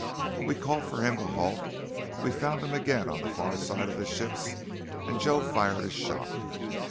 We called for him to halt. We found him again on the far side of the ships and Joe fired a shot.